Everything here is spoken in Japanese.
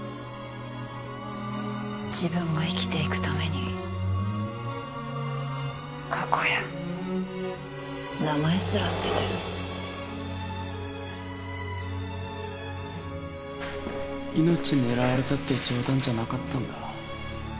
自分が生きていくために過去や名前すら捨てて命狙われたって冗談じゃなかったんだ